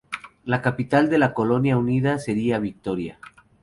La capital de la colonia unida sería Victoria.